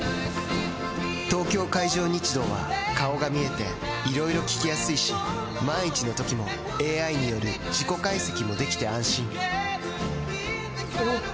東京海上日動は顔が見えていろいろ聞きやすいし万一のときもＡＩによる事故解析もできて安心おぉ！